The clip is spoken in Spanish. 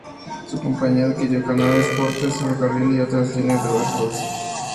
Su compañía adquirió canales, portes de ferrocarril y otras líneas de barcos de vapor.